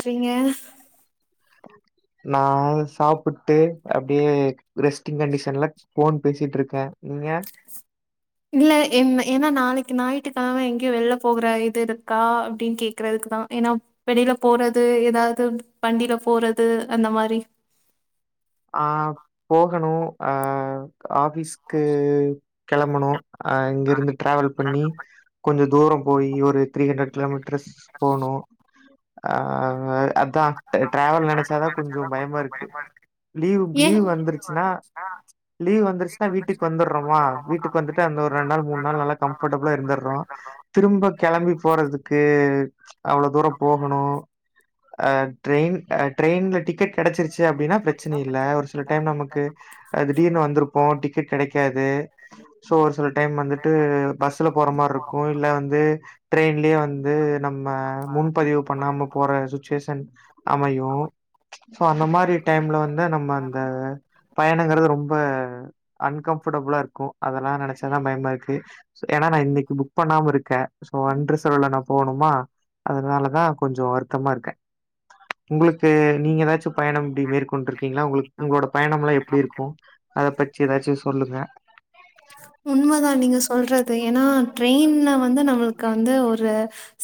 ட்றீங்க நா சாப்புட்டு அப்படியே ரெஸ்ட்டிங் கண்டீஷன்ல ஃபோன் பேசிட்டுருக்க நீங்க இல்ல என் ஏன்னா நாளைக்கு ஞாயித்துக்கெழம எங்கேயு வெள்ல போகற இருக்கா அப்டின்னு கேக்குறதுக்கு தா ஏன்னா வெளியில போறது ஏதாவது வண்டியில போறது அந்த மாரி ஆ போகணு ஆ ஆஃபிஸ்க்கு கெளம்பணு ஆ இங்கேருந்து ட்ராவல் பண்ணி கொஞ்ச தூரம் போய் ஒரு த்ரீ ஹண்ட்ரட் கிலோமீட்டர்ஸ் போனு ஆ‌ அங்க அதா டிராவல் நெனைச்சாதா கொஞ்ச பயமா இருக்கு லீவ் ஏன் லீவ் வந்துருச்சுன்னா லீவ் வந்துருச்சுன்னா வீட்டுக்கு வந்துறோமா வீட்டுக்கு வந்துட்டு அந்த ஒரு ரெண்டு நாள் மூணு நாள் வந்து நல்லா கம்பர்ட்டபுளா இருந்துர்றோம் திரும்ப கெளம்பி போறதுக்கு அவ்வோள தூரம் போகணு ஆ ட்ரெயின் ட்ரெயின்ல டிக்கெட் கெடைச்சிருச்சு அப்டின்னா பிரச்சனை ச்சனை இல்ல ஒரு சில டைம் நமக்கு ஆ திடீர்னு வந்துருப்போ டிக்கெட் கெடைக்காது சோ ஒரு சில டைம் வந்துட்டு பஸ்ல போற மாரி இருக்கும் இல்ல வந்து ட்ரெயின்லேயே வந்து நம்ம முன்பதிவு பண்ணாம போற சுச்சுவேஷன் அமையு சோ அந்த மாதிரி டைம்ல வந்து இன்னு நம்ம அந்த பயணங்கறது ரொம்ப அன்கம்ஃபடபுளா இருக்கு அதெல்லா நெனச்ச தா பயமா இருக்கு ஏன்னா நா இன்னைக்கு புக் பண்ணாம இருக்க சோ அன்ரிசர்வ்ல நா போணுமா. அதனாலதா கொஞ்சோ வருத்தமா இருக்கே உங்களுக்கு நீங்க எதாச்சு பயணம் இப்டி மேற் கொண்டுருக்கீங்களா உங்களுக்கு உங்களோட பயணம்ல்லா எப்டி இருக்கு அத பற்றி எதாச்சு சொல்லுங்க உண்மதா நீங்க சொல்றது ஏன்னா ட்ரெயின்ல வந்து நம்மளுக்கு வந்து ஒரு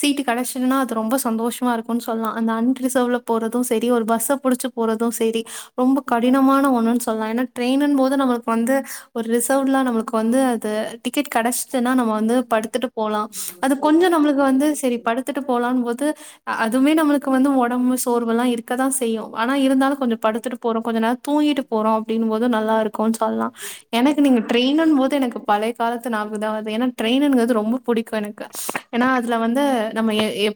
சீட்டு கெடச்சதுன்னா அது ரொம்ப சந்தோஷமா இருக்குனு சொல்லா அந்த அன்ரிசர்வ்ல போறது சரி. ஒரு பஸ்ஸ புடிச்சு போறது சரி ரொம்ப கடினமான ஒண்ணுன்னு சொல்லா ஏன்னா ட்ரெயின்னு போது நம்மளுக்கு வந்து ஒரு ரிசர்வ்லா நம்மளுக்கு வந்து அது டிக்கெட் கெடைச்சிதுன்னா நம்ம வந்து படுத்துட்டு போலா அது கொஞ்சோ நம்மளுக்கு வந்து சரி படு த்துட்டு போலா போது அதுவுமே நம்மளுக்கு வந்து ஒடம்பு சோர்வெல்லா இருக்கதா செய்யு ஆனா இருந்தாலு கொஞ்ச படுத்துட்டு போறோ கொஞ்ச நேரோ தூங்கிட்டு போறோ அப்டின்னு போது நல்லாருக் சொல்லா எனக்கு நீங்க ட்ரெயின்னு போது எனக்கு பழைய காலத்து ஞாபகதா வருது ஏன்னா ட்ரெயின்ங்கறது ரொம்ப புடிக்கு எனக்கு ஏன்னா அதுல வந்து நம்ம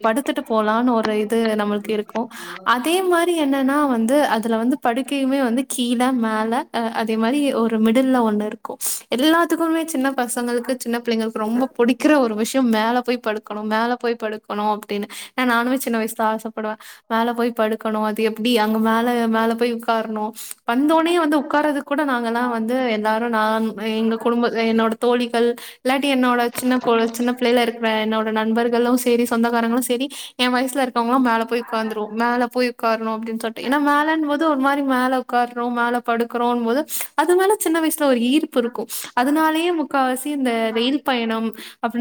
படுத்துட்டு போலான்னு ஒரு இது நம்மளுக்கு இருக்கும் அதே மாரி என்னன்னா வந்து அதுல வந்து படுக்கையுமே வந்து கீழ மேல அ அதே மாரி ஒரு மிடில்ல ஒண்ணு இருக்கு எல்லாத்துக்குமே சின்ன பசங்களுக்கு சின்ன புள்ளைங்களுக்கு ரொம்ப புடிக்கிற ஒரு விஷயோ மேல போய் படுக்கணும் மேல போய் படுக்கணும் அப்டின்னு ஏனா நானுமே சின்ன வயசுல ஆசப்படுவ மேல போய் படுக்கணு அது எப்டி அங்க மேல மேல போய் உக்காரணு வந்தோனே வந்து உக்காறதுக் கூட நாங்கல்லா வந்து எல்லாரு நான் எங்க குடும்ப என்னோட தோழிகள் இல்லாட்டி என்னோட சின்ன கொழ சின்ன பிள்ளைல இருக்கற என்னோட நண்பர்களு சேரி சொந்தக்காரங்களு சேரி எ வயசுல இருக் ங்களா மேல போய் உக்காந்துருவோ மேல போய் உக்காரணு அப்டின்னு சொல்ட்டு ஏன்னா மேலன் போது ஒரு மா மேல உக்கார்றோ மேல படுக்றோன் போது அது மேல சின்ன வயசுல ஒரு ஈர் க்கும் அதனாலேயே முக்காவாசி இந்த ரயில் பயணம்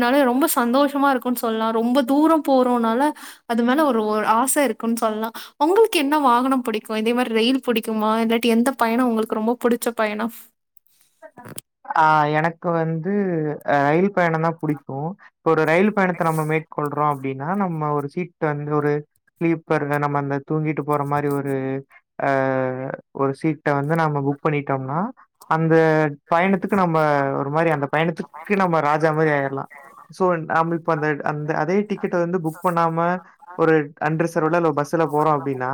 னால ரொம்ப சந்தோஷமா இருக்குனு சொல்லா ரொம்ப தூரோ போறோம்னால அது மேல ஒ ஒரு ஆச இருக்குன்னு சொல்லா உங்களுக்கு என்ன வாகனம் புடிக்கும் இதே மாரி ரயில் புடிக்குமா இல்லாட்டி எந்த பயணம் உங்களுக்கு ரொம்ப புடிச்ச பயணம் ஆ எனக்கு வந்து ரயில் பயணம் தா புடிக்கு இப்ப ஒரு ரயில் பயணத்த நம்ம மேற்கொள்றோ அப்டின்னா நம்ம ஒரு சீட்டு வந்து ஒரு ஸ்லீப்பர்ல நம்ம அந்த தூங்கிட்டு போற மாரி ஒரு அஹ் ஒரு சீட் ட வந்து நாம புக் பண்ணிட்டோம்னா அந்த பயணத்துக்கு நம்ம ஒரு மாரி அந்த பயணத்துக்கு நம்ம ராஜா மாரி ஆயர்லா சோ நாம்ப இப்ப அந்த அந்த அதே டிக்கெட்ட வந்து புக் பண்ணாம ஒரு அன்ரிசர்வ்ல இல்ல பஸ்ல போறோ அப்டின்னா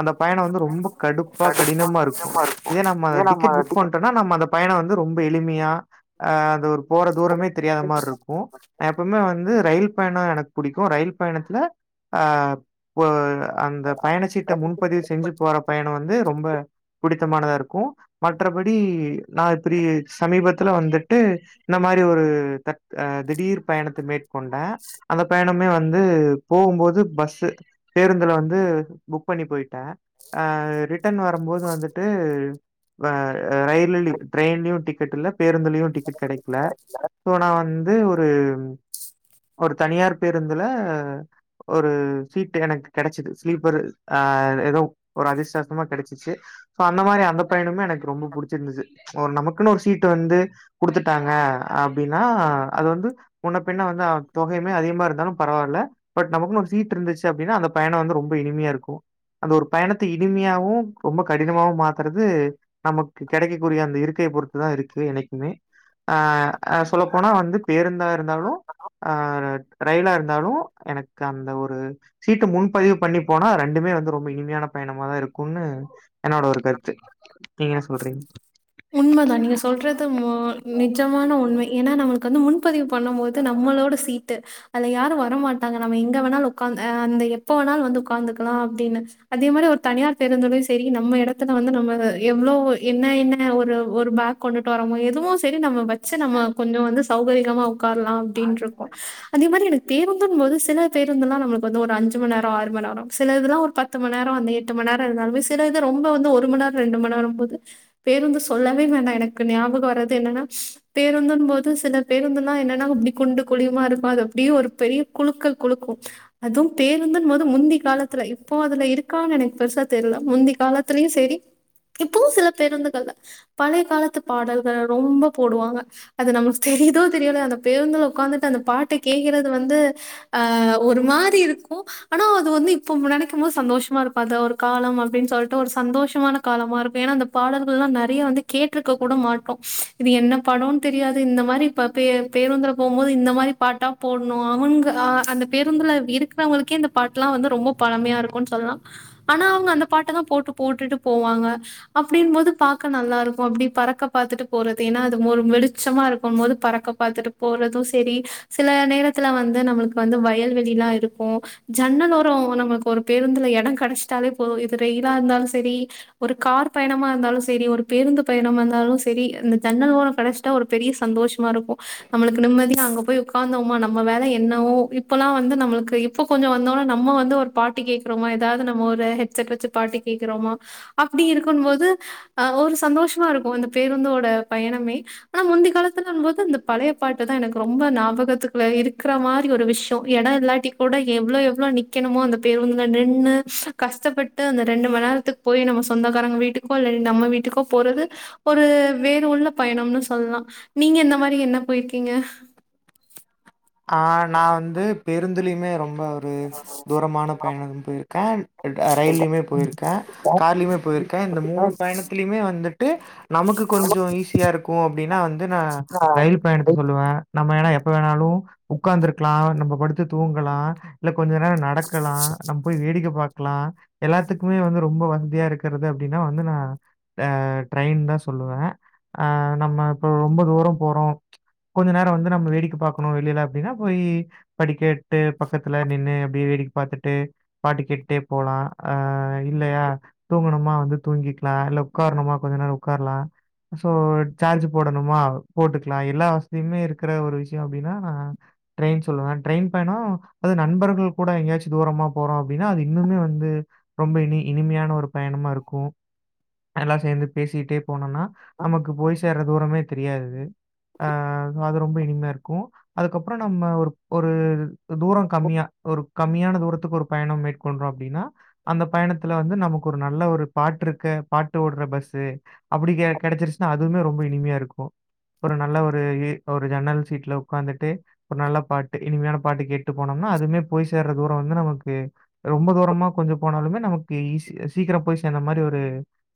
அந்த பயணோ வந்து ரொம்ப கடுப்பா கடினமா இருக்கு இதே நம்ம டிக்கெட் புக் பண் டனா நம்ம அந்த பயணம் வந்து ரொம்ப எளிமியா அஹ் அது ஒரு போற தூரமே தெரியாத மார்ருக்கு. எப்பவுமே வந்து ரயில் பயணம் எனக்கு புடிக்கும் ரயில் பயணத்துல அ அந்த பயணச்சீட்ட முன்பதிவு செஞ்சு போற பயணம் வந்து ரொம்ப புடித்தமானதா இருக்கு மற்றபடி நா இப்டி சமீபத்துல வந்துட்டு இந்த மாரி ஒரு த அ திடீர் பயணத்த மேற்கொண்ட அந்த பயணமே வந்து போம்போது பஸ்ஸு பேருந்துல வந்து புக் பண்ணி போய்ட்ட ரிட்டர்ன் வரும்போது வந்துட்டு வ ரயிலிலி ட்ரெயின்லியு டிக்கெட் இல்ல பேருந்துலியு டிக்கெட் கெடைக்ல சோ நா வந்து ஒரு ஒரு தனியார் பேருந்துல ஒரு சீட் எனக்கு கெடச்சிது ஸ்லீப்பரு ஆ எதோ ஒரு அதிர்ஷ்ட வசமா கெடச்சிச்சு சோ அந்த மாரி அந்த பயனுமே எனக்கு ரொம்ப புடுச்சிருந்துச்சு ஒரு நமக்குன்னு ஒரு சீட்டு வந்து குடுத்துட்டாங்க அப்டின்னா அது வந்து முன்ன பின்ன வந்து அ தொகையுமே அதிகமா இருந்தாலு பரவால்ல பட் நமக்குன்னு ஒரு சீட் இருந்துச்சு அப்டின்னா அந்த பயணோ வந்து ரொம்ப இனிமையா இருக்கு அந்த ஒரு பயணத்த இனிமையாவு ரொம்ப கடினமாவு மாத்தறது நமக் கு கெடைக்கக்கூடிய அந்த இருக்கைய பொறுத்து தா இருக்கு என்னைக்குமே ஆ ஆ சொல்லப் போனா வந்து பேருந்தா இருந்தாலு ஆ ரயிலா இருந்தாலு எனக்கு அந்த ஒரு சீட்டு முன்பதிவு பண்ணி போனா ரெண்டுமே வந்து ரொம்ப இனிமையான பயணமாதா இருக்குன்னு என்னோட ஒரு கருத்து நீங்க என்ன சொல்றீங் உண்மைதா நீங்க சொல்றது மு நிஜமான உண்மை ஏன்னா நம்ளுக்கு வந்து முன்பதிவு பண்ணும் போது சொல்றீங்க? நம்மளோட சீ ட்டு அதுல யாரு வரமாட்டாங்க நம்ம எங்க வேணாலு ஒக்காந்து அந்த எப்ப வேணாலு வந்து உக்காந்துக்லா அப்டின்னு அதே மாரி ஒரு தனியார் பேருந்துலயு சரி நம்ம எடத்துல வந்து நம்ம எவ்ளோ என்ன என்ன ஒரு ஒரு பேக் கொண்டுட்டு வரமோ எதுவோ சரி நம்ம வச்சு நம்ம கொஞ்சோ வந்து சௌகரிகமா உக்கார்லா அப்டின் ருக்கு அதே மாரி எனக்கு பேருந்துங் போது சில பேருந்துலா நம்ளுக்கு வந்து ஒரு அஞ்சு மண் நேரோ ஆறு மண் நேரோ சிலதுலா ஒரு பத் து மண்நேரோ அந்த எட்டு மண் நேரோ இருந்தாலுமே சில இது ரொம்ப வந்து ஒரு மண் நேரோ ரெண்டு மண் நேரோ போது பேருந்து சொல்லவே வேண்டா எனக்கு ஞாபகோ வரது என்னன்னா பேருந்துன் போது சில பேருந்துல்லா என்னன்னா அப்டி குண்டு குழியுமா இருக்கு அது அப்டியே ஒரு பெரிய குலுக்கல் குலுக்கு அது பேருந்துன் போது முந்தி காலத்துல இப்போ அதுல இருக்கான் எனக்கு பெருசா தெர்ல முந்தி காலத்லயு சேரி இப்பவு சில பேருந்துகள்ல பழைய காலத்து பாடல்கள ரொம்ப போடுவாங்க அது நம்ளுக்கு தெரியுதோ தெரியலயோ அந்த பேருந்துல உக்காந்துட்டு அந்த பாட்ட கேக்றது வந்து ஆ ஒரு மாரி இருக்கு ஆனா அது வந்து இப்ப நெனைக்கு போது சந்தோஷமா இருக்கு அது ஒரு காலோ அப்டின் சொல்ட்டு ஒரு சந்தோஷமான காலமாருக்கு ஏன்னா அந்த பாடல் லா நெறைய வந்து கேட்ருக்க கூட மாட்டோ இது என்ன படோ தெரியாது இந்த மாரி ப்ப பே பேருந்துல போபோது இந்த மாரி பாட்டா போட்ணு அவன்ங்க அ அந்த பேருந்துல இருக் றவங்ளுக்கே இந்த பாட்லா வந்து ரொம்ப பழமையா இருக்குன் சொல்லா ஆனா அவுங்க அந்த பாட்ட தா போட்டு போட்டுட்டு போவாங்க அப்டின் போது பாக்க நல்லாருக்கு அப்டி பறக்க பாத்துட்டு போறது ஏன்னா அது ஒரு வெளிச்சமா இருக்கும் போது பறக்க பாத்துட்டு போறது சரி சில நேரத்ல வந்து நம்ளுக்கு வந்து வயல்வெளி லா இருக்கு ஜன்னலோரோ நமக்கு ஒரு பேருந்துல எடோ கெடச்ட்டாலே போது இது ரெயிலா இருந்தாலு சரி ஒரு கார் பயணமா இருந்தாலு சரி ஒரு பேருந்து பயணம் வந்தாலு சரி இந்த ஜன்னல் ஓரோ கெடைச்ட்டா ஒரு பெரிய சந்தோஷ்மா இருக்கு நம்மளுக்கு நிம்மதியா அங்க போய் உக்காந்தோமா நம்ம வேல என்னவோ இப்பல்லா வந்து நம்மள்க்கு இப்போ கொஞ்சோ வந்தோனா நம்ம வந்து ஒரு பாட்டு கேக் ரோமா ஏதாது நம்ம ஒரு ஹெட் செட் வச்சு பாட்டு கேக்றோமோ அப்டி இருக்கும் போது அ ஒரு சந்தோஷமா இருக்கு அந்த பேருந்தோட பயணமே ஆனா முந்தி காலத்லங்போது இந்த பழைய பாட்டு தா எனக்கு ரொம்ப ஞாபகத்துக்குள்ள இருக்ற மாரி ஒரு விஷ்யோ ஏன்னா இதல்லா ட்டி கூட எவ்ளோ எவ்ளோ நிக்கணுமோ அந்த பேருந்துல நின்னு கஷ்டப்பட்டு அந்த ரெண்டு மண் நேரத்துக் போய் நம்ம சொந்தக்காரங்க வீட்டுக்கோ இல்ல நம்ம வீட்டுக்கோ போறது ஒரு வேறு உள்ள பயணம்னு சொல்லா நீங்க இந்த மாரி என்ன போய்ருக்கீங்க ஆ நா வந்து பேருந்துலிமே ரொம்ப ஒரு தூரமான பயண பொய்ருக்க அ ரயிலியுமே பொய்ருக்க கார்லியுமே பொய்ருக்க இந்த மூணு பயணத்லியுமே வந்துட்டு நமக்கு கொஞ்ஜோ ஈஸியா இருக்கு அப்டின்னா வந்து நா ரயில் பயணத்த சொல்லுவ நம்ம ஏனா எப்ப வேணாலு உக்காந் இருக்லா நம்ப பாட்டு படுத்து தூங்கலா இல்ல கொஞ்ச நேர நடக்கலா நம்ப போய் வேடிக்க பாக்கலா எல்லாத்துக்குமே வந்து ரொம்ப வசதியா இருக்குறது அப்டின்னா வந்து நா ஆ ட்ரெயின் தா சொல்லுவ ஆ நம்ப இப்ப ரொம்ப தூர போறோ கொஞ்ச நேர வந்து நம்ம வேடிக்க பாக்கணு வெளில அப்படீனா போய் படிக்கட்டு பக்கத்துல நின்னு அப்டியே வேடிக்க பாத்துட்டு பாட்டு கேட்டே போலா அ இல்லயா தூங்கணுமா வந்து தூங்கிக்கலா இல்ல உட்காரணுமா கொஞ்ச நேர உட்காருலா சோ சார்ஜ் போடணுமா போட்டுக்கலா எல்லா வசதியுமே இருக்குற ஒரு விஷய அப்டின்னா நா ட்ரய்ன் சொல்லுவ ட்ரய்ன் பயணோ அது நண்பர்கள் கூட எங்கேயாச்சு தூரமா போறோ அப்டின்னா அது இன்னுமே வந்து ரொம்ப இனி இனிமையான ஒரு பயணமா இருக்கும் எல்லா சேந்து பேசிட்டு போனோம்னா நமக்கு போய் சேர்ற தூரமே தெரியாது ஆ அது ரொம்ப இனிமையா இருக்கும் அதுக்கப்பற நம்ம ஒரு ஒரு தூர கம்மியா ஒரு கம்மியான தூரத்துக்கு ஒரு பயணம் மே கொண்றோ அப்டின்னா அந்த பயணத்துல வந்து நமக்கு ஒரு நல்ல ஒரு பாட்டிருக்கு பாட்டு ஓட்ற பஸ்சு அப்டி கிடைச்சிருச்சுன்னா அதுவுமே ரொம்ப இனிமையா இருக்கும் ஒரு நல்ல ஒரு ஒரு ஜன்னல் சீட்ல உட்காந்துட்டு ஒரு நல்ல பாட்டு இனிமையான பாட்டு கேட்டு போனோம்னா அதுமே போய் சேர்ற தூர வந்து நமக்கு ரொம்ப தூரமா கொஞ்ச போனாலுமே நமக்கு ஈசி சீக்கிர போய் சேந்த மாரி ஒரு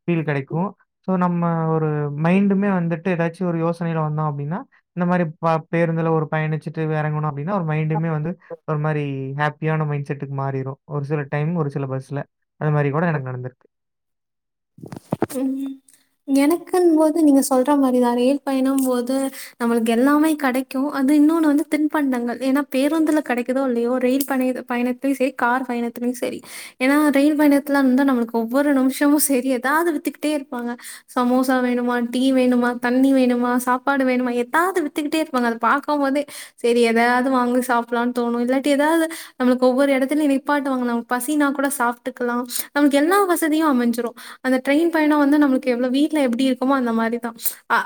ஃபீல் கெடைக்கு சோ நம்ம ஒரு மைண்டுமே வந்துட்டு ஏதாச்சும் ஒரு யோசனைல வந்தோ அப்டின்னா இந்த மாறி ப பேருந்துல ஒரு பயணிச்சிட்டு எறங்கணு அப்டின்னா ஒரு மைண்டுமே வந்து ஒரு மாரி ஹாப்பியான மைண்ட செட்டுக்கு மாறிரும் ஒரு சில டைம் ஒரு சில பஸ்ல அது மாறி கூட எனக்கு நடந்துருக்கு உம் எனக்குன்னும் போது நீங்க சொல்ற மாரிதா ரயில் பயண போது நம்மளுக்கு எல்லாமே கிடைக்கும் அது இன்னொன்னு வந்து தின்பண்டங்கள் ஏன்னா பேருந்துல கெடைக்குதோ இல்லையோ ரயில் பண்ண பயணத்திலையு சரி கார் பயணத்திலு சரி ஏன்னா ரயில் பயணத்துலருந்த நம்மளுக்கு ஒவ்வொரு நிமிஷமும் சரி ஏதாவது வித்துக்கிட்டே இருப்பாங்க சமோசா வேணுமா டீ வேணுமா தண்ணி வேணுமா சாப்பாடு வேணுமா ஏதாவது வித்துக்கிட்டே இருப்பாங்க அத பாக்கும் போதே செரி எதயாவது வாங்கி சாப்பிடலாம்னு தோணும் இல்லாட்டி எதாவது நம்பளுக்கு ஒவ்வொரு எடத்துலயு நிப்பாட்டுவாங்க நம பசினா கூட சாப்புட்டுக்கலா நமக்கு எல்லா வசதியு அமைஞ்சிரும் அந்த ட்ரெயின் பயண வந்து நம்மளுக்கு எவ்வளோ வீட்டுல எப்படி இருக்குமோ அந்த மாதிரி தா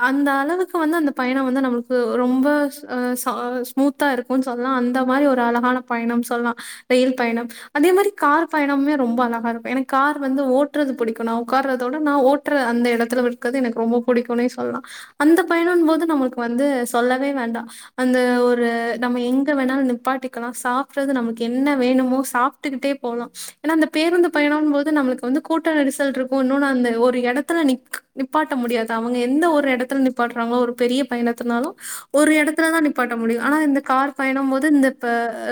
அந்த அளவுக்கு வந்து அந்த பயணம் வந்து நம்மளுக்கு ரொம்ப ச ச ஸ்மூத்தா இருக்கும்ன்னு சொல்லலா அந்த மாரி ஒரு அழகான பயண சொல்லா ரயில் பயணம் அதே மாரி கார் பயணமுமே ரொம்ப அழகா இருக்கும் எனக்கு கார் வந்து ஓட்றது பிடிக்கு ம் நா உட்கார்றதோட நா ஓட்ற அந்த இடத்துல இருக்கறது எனக்கு ரொம்ப பிடிக்கும்னே சொல்லா அந்த பயணம்ன்ன போது நம்மளுக்கு வந்து சொல்லவே வேண்டா அந்த ஒரு நம்ம எங்க வேணாலும் நிப்பாட்டிக்கலா சாப்பட்றது நமக்கு என்ன வேணுமோ சாப்ப க்கிட்டே போலா ஏன்னா அந்த பேருந்து பயணம் போது நம்மளுக்கு வந்து கூட்ட நெரி சல் இருக்கும் இன்னொன்னு அந்த ஒரு இடத்துல நிக் நிப்பாட்ட முடியாது அவங்க எந்த ஒரு இடத்துல நி பாட்டுறாங்களோ ஒரு பெரிய பயணத்தனாலு ஒரு இடத்துல தா நிப்பாட்ட முடியு ஆனா இந்த கார் பயணம் போது இந்த இப்ப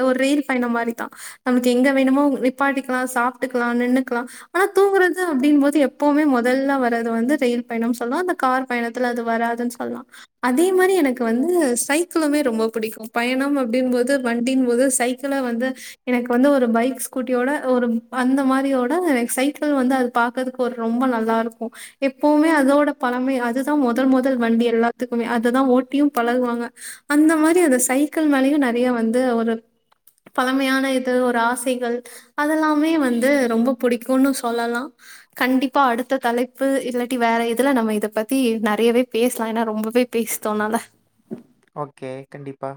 ஒரு ரயில் பயணம் மாரிதா நம்மளுக்கு எங்க வேணுமோ நிப்பாட்டிக்கலா சாப்ட்டுக்கலா நின்னுக்கலா ஆனா தூங்கறது அப்டினும்போது எப்பவுமே முதல்ல வரது வந்து ரயில் பயணம்னு சொல்லலா அந்த கார் பயணத்துல அது வராதுன்னு சொல்லலா அதே மாரி எனக்கு வந்து சைக்கிளுமே ரொம்ப பிடிக்கு பயணம் அப்டின் போது வண்டின் போது சைக்கி சைக்கிள வந்து எனக்கு வந்து ஒரு பைக் ஸ்கூட்டியோட ஒரு அந்த மாரியோட சைக்கிள் வந்து பாக்றதுக்கு ஒரு ரொம்ப நல்லா இருக்கு எப்பவுமே அதோட பழமை அதுதா முதல் முதல் வண்டி எல்லாத்துக்குமே அததுதா ஓட்டியும் பழகுவாங்க அந்த மாரி அந்த சைக்கிள் மேலயும் நெறைய வந்து ஒரு பழமையான இது ஒரு ஆசைகள் அதெல்லாமே வந்து ரொம்ப புடிக்கும்னு சொல்லலா கண்டிப்பா அடுத்த தலைப்பு இல்லாட்டி வேற இதுல நம்ம இத பத்தி நெறையவே பேசலா ஏன்னா ரொம்பவே பீஸ்தோனாத ஓகே கண்டிப்பா